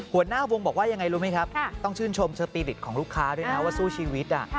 หัวหน้าวงบอกว่ายังไงรู้ไหมครับต้องชื่นชมสปีริตของลูกค้าด้วยนะว่าสู้ชีวิต